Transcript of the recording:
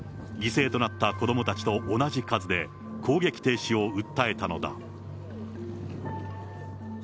犠牲となった子どもたちと同じ数で、攻撃停止を訴えたのだ。